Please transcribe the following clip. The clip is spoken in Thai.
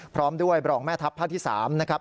พร้อมด้วยบรองแม่ทัพภาคที่๓นะครับ